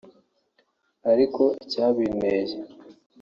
“Ariko icyabinteye